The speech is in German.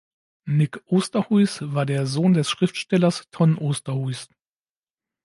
Nick Oosterhuis war der Sohn des Schriftstellers Ton Oosterhuis.